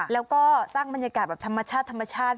แล้วก็สร้างบรรยากาศแบบธรรมชาติ